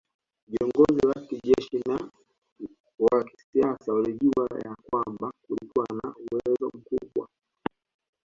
Viongozi wa kijeshi na wa kisiasa walijua ya kwamba kulikuwa na uwezo mkubwa